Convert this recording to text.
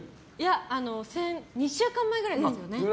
２週間ぐらい前ですよね。